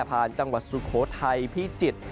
จังหวัดสุโขทัยพิจิตร